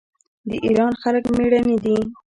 د ایران خلک میړني دي.